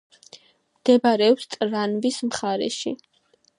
მდებარეობს ტრნავის მხარეში.